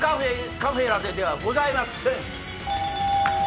カフェラテではございません。